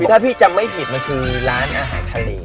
ถ้าพี่จะไม่ติดก็คือล้านอาหารทะเล